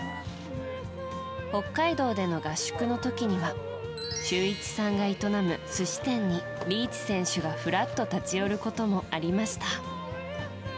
北海道での合宿の時には修一さんが営む寿司店に、リーチ選手がふらっと立ち寄ることもありました。